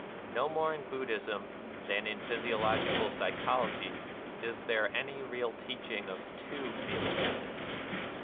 No more in Buddhism than in physiological psychology is there any real NIRVANA 233 teaching of two feeling entities.